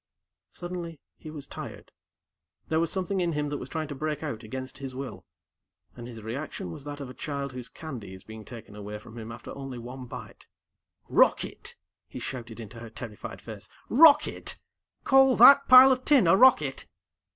Suddenly, he was tired, there was something in him that was trying to break out against his will, and his reaction was that of a child whose candy is being taken away from him after only one bite. "Rocket!" he shouted into her terrified face. "Rocket! Call that pile of tin a rocket?"